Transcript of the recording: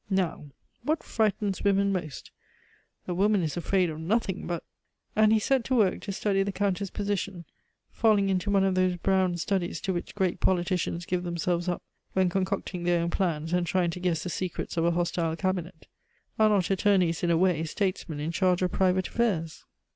Now, what frightens women most? A woman is afraid of nothing but..." And he set to work to study the Countess' position, falling into one of those brown studies to which great politicians give themselves up when concocting their own plans and trying to guess the secrets of a hostile Cabinet. Are not attorneys, in a way, statesmen in charge of private affairs?